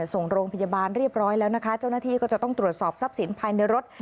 ส่งโรงพยาบาลเรียบร้อยแล้วนะคะเจ้าหน้าที่ก็จะต้องตรวจสอบทรัพย์สินภายในรถ